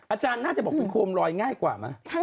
อาจารย์น่าจะบอกเป็นโคมลอยง่ายกว่าไหม